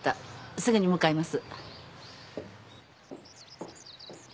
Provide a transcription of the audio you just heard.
すぐに向かいます。